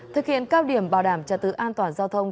thực hiện cao điểm bảo đảm trật tự an toàn giao thông